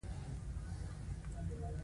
د احمدشاهي عصر نوميالي